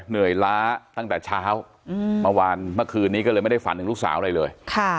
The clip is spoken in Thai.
เหนื่อยล้าตั้งแต่เช้าเมื่อวานเมื่อคืนนี้ก็เลยไม่ได้ฝันถึงลูกสาวอะไรเลย